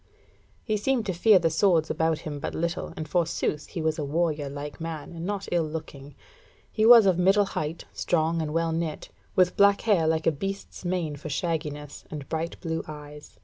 He seemed to fear the swords about him but little, and forsooth he was a warrior like man, and not ill looking. He was of middle height, strong and well knit, with black hair like a beast's mane for shagginess, and bright blue eyes.